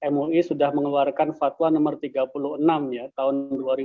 mui sudah mengeluarkan fatwa nomor tiga puluh enam tahun dua ribu dua